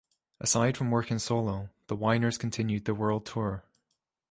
Aside from working solo, the Wynners continued their world tour.